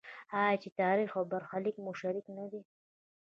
آیا چې تاریخ او برخلیک مو شریک نه دی؟